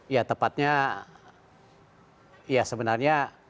ya tepatnya sebenarnya